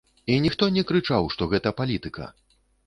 І ніхто не крычаў, што гэта палітыка.